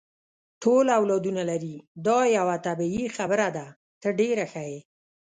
ټول اولادونه لري، دا یوه طبیعي خبره ده، ته ډېره ښه یې.